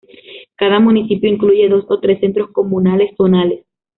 Cada municipio incluye dos o tres Centros Comunales Zonales.